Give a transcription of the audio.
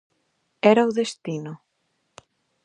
Era o destino.